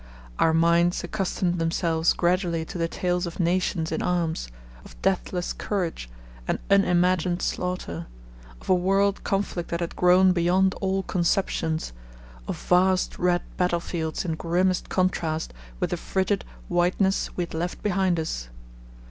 Our minds accustomed themselves gradually to the tales of nations in arms, of deathless courage and unimagined slaughter, of a world conflict that had grown beyond all conceptions, of vast red battlefields in grimmest contrast with the frigid whiteness we had left behind us.